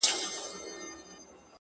د دې نړۍ انسان نه دی په مخه یې ښه!!